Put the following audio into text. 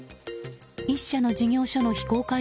１社の事業所の非公開